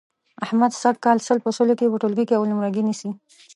احمد سږ کال سل په سلو کې په ټولګي کې اول نمرګي نیسي.